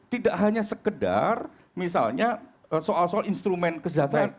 tidak hanya sekedar misalnya soal soal instrumen kesejahteraan